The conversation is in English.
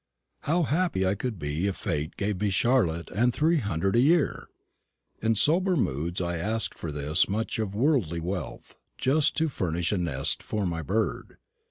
How happy I could be if Fate gave me Charlotte and three hundred a year! In sober moods I asked for this much of worldly wealth, just to furnish a nest for my bird.